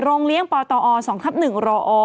โรงเลี้ยงปตอ๒ครับ๑รอ